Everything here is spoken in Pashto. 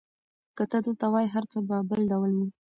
که ته دلته وای، هر څه به بل ډول وو.